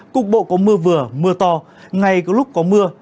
cục bộ có mưa vừa mưa to ngay có lúc có mưa